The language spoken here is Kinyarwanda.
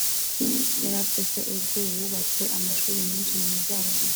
Yari afite se uzwi wubatse amashuri menshi mu majyaruguru